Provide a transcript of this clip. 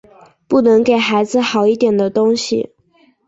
不能给孩子好一点的东西